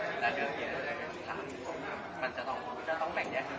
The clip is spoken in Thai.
เราดูว่ามันไม่ชัดเจนมันดูมันกลุ่มครึ่งยังไม่กลุ่มตอนนี้ก็ยังไม่เป็นเอาที่บ้าง